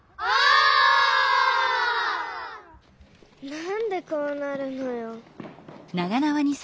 なんでこうなるのよ。